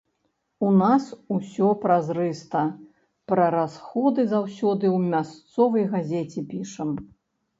У нас усё празрыста, пра расходы заўсёды ў мясцовай газеце пішам.